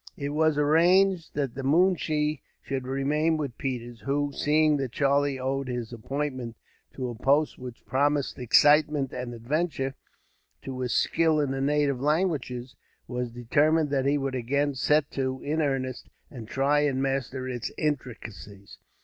It was arranged that the moonshee should remain with Peters, who, seeing that Charlie owed his appointment, to a post which promised excitement and adventure, to his skill in the native languages, was determined that he would again set to, in earnest, and try and master its intricacies.